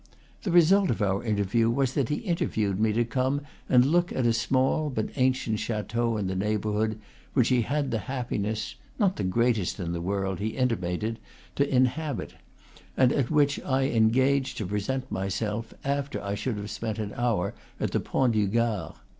The result of our interview was that he invited me to come and look at a small but ancient chateau in the neighborhood, which he had the happiness not the greatest in the world, he intimated to inhabit, and at which I en gaged to present myself after I should have spent an hour at the Pont du Gard.